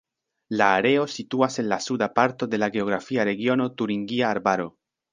La areo situas en la suda parto de la geografia regiono Turingia Arbaro.